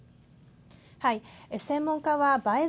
はい。